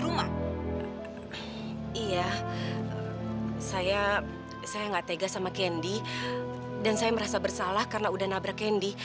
rumah iya saya saya enggak tegas sama candy dan saya merasa bersalah karena udah nabrak